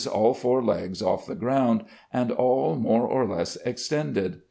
all four legs off the ground, and all more or less extended.